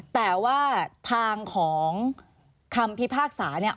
แต่ว่าทางของคำพิพากษาเนี่ย